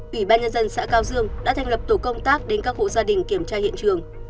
ủy ban nhân dân xã cao dương đã thành lập tổ công tác đến các hộ gia đình kiểm tra hiện trường